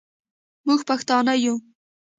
موږ پښتانه یو.